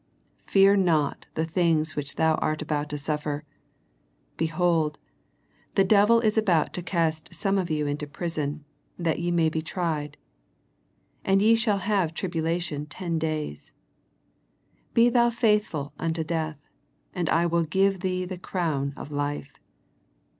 Fear not the things which thou art about to suffer: behold, the devil is about to cast some of you into prison, that ye may be tried; and ye shall have tribulation ten days. Be thou faithful unto death, and I will give thee the crown of life.